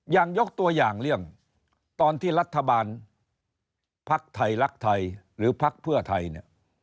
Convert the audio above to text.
ยกตัวอย่างเรื่องตอนที่รัฐบาลภักดิ์ไทยรักไทยหรือพักเพื่อไทยเนี่ย